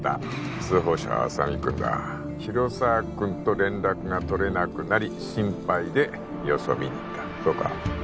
通報者は浅見君だ広沢君と連絡が取れなくなり心配で様子を見に行ったそうか？